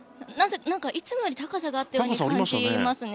いつもより高さがあったように感じましたね。